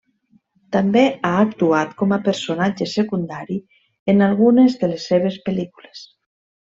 També ha actuat, com a personatge secundari, en algunes de les seves pel·lícules.